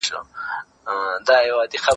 تاسو باید دا کیسه په ډېر پام سره ولولئ.